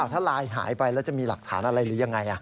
ถ้าไลน์หายไปแล้วจะมีหลักฐานอะไรหรือยังไง